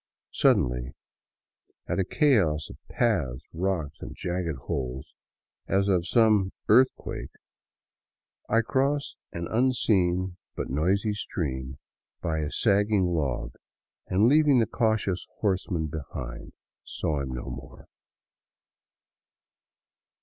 Sud denly, at a chaos of paths, rocks, and jagged holes, as of some earth quake, I cross an unseen but noisy stream by a sagging log and, leaving the cautious horseman behind, saw him no more.